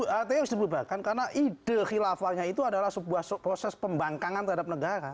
hti harus dibubarkan karena ide khilafahnya itu adalah sebuah proses pembangkangan terhadap negara